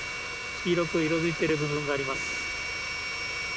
黄色く色づいている部分があります。